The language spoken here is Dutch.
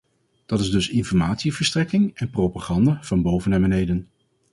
Dat is dus informatieverstrekking en propaganda van boven naar beneden.